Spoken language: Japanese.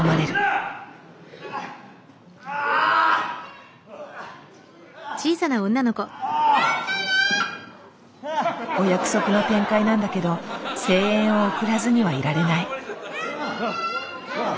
あ！お約束の展開なんだけど声援を送らずにはいられない。